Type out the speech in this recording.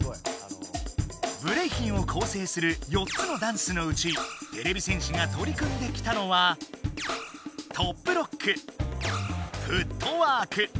ブレイキンをこうせいする４つのダンスのうちてれび戦士がとり組んできたのはトップロックフットワーク。